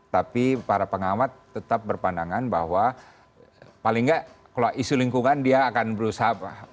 tapi para pengamat tetap berpandangan bahwa paling nggak kalau isu lingkungan dia akan berusaha